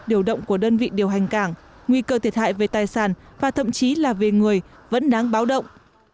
điều động của đơn vị điều hành cảng nguy cơ thiệt hại về tài sản và thậm chí là về người vẫn đáng báo động